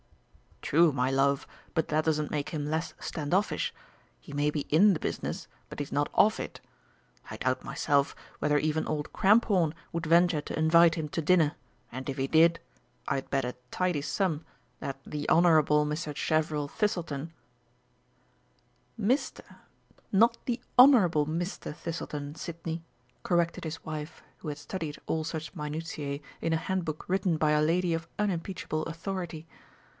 "True, my love, but that doesn't make him less stand offish. He may be in the business, but he's not of it. I doubt myself whether even old Cramphorn would venture to invite him to dinner, and if he did, I'd bet a tidy sum that the Honourable Mr. Chevril Thistleton " "Mr. not the Honourable Mr. Thistleton, Sidney," corrected his wife, who had studied all such minutiæ in a handbook written by a lady of unimpeachable authority.